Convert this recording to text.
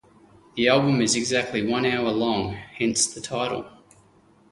The album is exactly one hour long, hence the title.